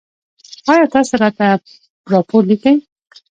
ایا تاسو راته راپور لیکئ؟